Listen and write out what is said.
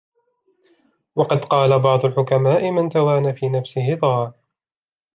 وَقَدْ قَالَ بَعْضُ الْحُكَمَاءِ مَنْ تَوَانَى فِي نَفْسِهِ ضَاعَ